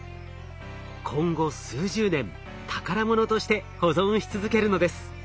今後数十年宝物として保存し続けるのです。